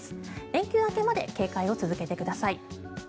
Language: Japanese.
連休明けまで警戒を続けてください。